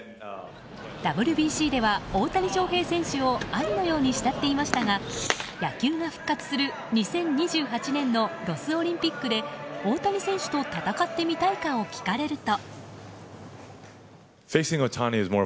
ＷＢＣでは大谷翔平選手を兄のように慕っていましたが野球が復活する２０２８年のロスオリンピックで大谷選手と戦ってみたいか聞かれると。